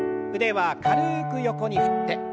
腕は軽く横に振って。